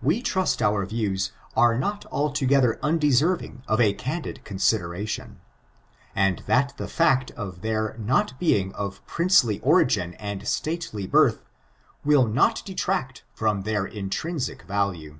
We trust our views are not altogether unde serving of a candid consideration ; and that the fact of their not being of princely origin and stately birth, will not detract from their intrinsic value.